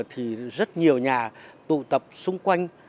thì rất nhiều nhà tụ tập xung quanh